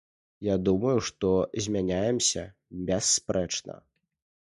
Я думаю, што змяняемся бясспрэчна.